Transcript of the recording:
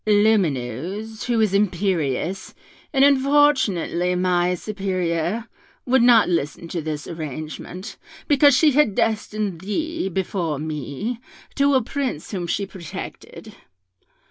Lumineuse, who is imperious, and unfortunately my superior, would not listen to this arrangement, because she had destined thee, before me, to a Prince whom she protected.